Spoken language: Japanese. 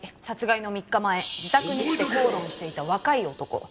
殺害の３日前自宅に来て口論していた若い男。